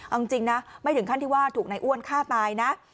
เอาจริงนะไม่ถึงขั้นที่ว่าถูกนายอ้วนฆ่าตายนะ